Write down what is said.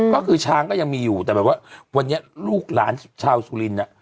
ก็คือช้างก็ยังมีอยู่แต่แบบว่าวันนี้ลูกหลานชาวสุรินทร์